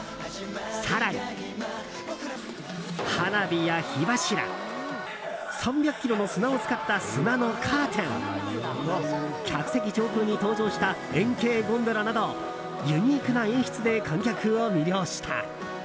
更に、花火や火柱３００ｋｇの砂を使った砂のカーテン客席上空に登場した円形ゴンドラなどユニークな演出で観客を魅了した。